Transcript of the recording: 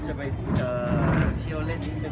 ผมไม่เคยทำอะไรอย่างนั้น